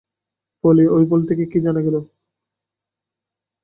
পলি, ওই বোল্ট থেকে কী জানা গেল?